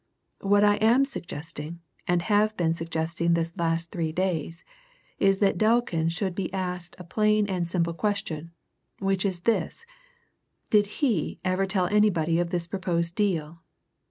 What I am suggesting, and have been suggesting this last three days, is that Delkin should be asked a plain and simple question, which is this did he ever tell anybody of this proposed deal?